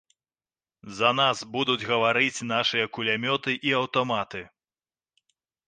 За нас будуць гаварыць нашыя кулямёты і аўтаматы.